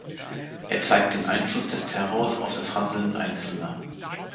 Er zeigt den Einfluss des Terrors auf das Handeln Einzelner.